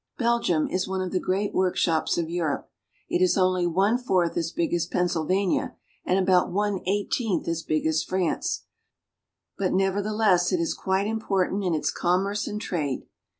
Belgium is one of the great workshops of Europe. It is only one fourth as big as Pennsylvania, and about one eighteenth as big as France ; but nevertheless it is quite important in its commerce and trade.